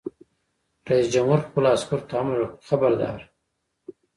رئیس جمهور خپلو عسکرو ته امر وکړ؛ خبردار!